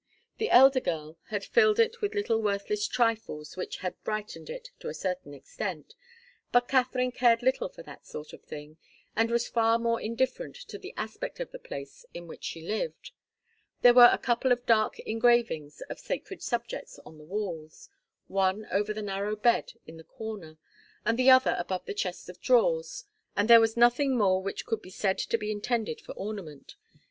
The elder girl had filled it with little worthless trifles which had brightened it to a certain extent; but Katharine cared little for that sort of thing, and was far more indifferent to the aspect of the place in which she lived. There were a couple of dark engravings of sacred subjects on the walls, one over the narrow bed in the corner, and the other above the chest of drawers, and there was nothing more which could be said to be intended for ornament.